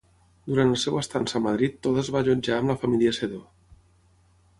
Durant la seva estança a Madrid Toda es va allotjar amb la família Sedó.